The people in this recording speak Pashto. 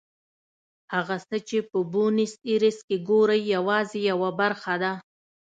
هغه څه چې په بونیس ایرس کې ګورئ یوازې یوه برخه ده.